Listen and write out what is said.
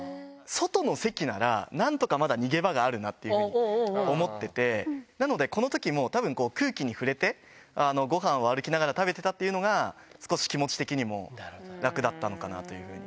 外の席なら、なんとかまだ逃げ場があるなっていうふうに思ってて、なので、このときもたぶんこう、空気に触れて、ごはんを歩きながら食べてたっていうのが、少し気持ち的にも楽だったのかなというふうに。